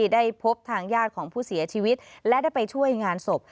ได้พบทางญาติของผู้เสียชีวิตและได้ไปช่วยงานศพ